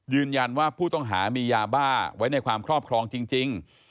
ยืนยันว่าผู้ต้องหามียาบ้าไว้ในความครอบครองจริง